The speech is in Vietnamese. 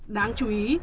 đáng chú ý